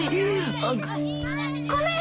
ごめん！